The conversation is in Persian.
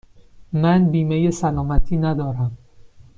من بیمه سلامتی ندارم.